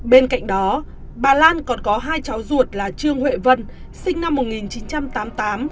bên cạnh đó bà lan còn có hai cháu ruột là trương huệ vân sinh năm một nghìn chín trăm tám mươi tám con gái của trương